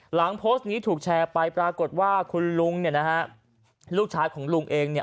หลังโพสต์นี้ถูกแชร์ไปปรากฏว่าคุณลุงเนี่ยนะฮะลูกชายของลุงเองเนี่ย